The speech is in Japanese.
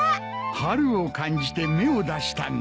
春を感じて芽を出したんだ。